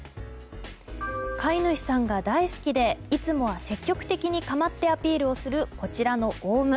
飼い主さんが大好きでいつもは積極的にかまってアピールをするこちらのオウム。